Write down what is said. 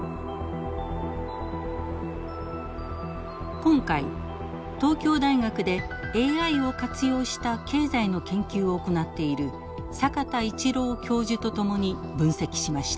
今回東京大学でＡＩを活用した経済の研究を行っている坂田一郎教授と共に分析しました。